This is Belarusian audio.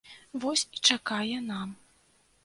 Вось і чакае нам.